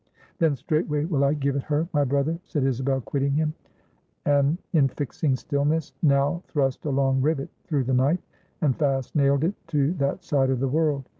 "Then straightway will I give it her, my brother," said Isabel, quitting him. An infixing stillness, now thrust a long rivet through the night, and fast nailed it to that side of the world.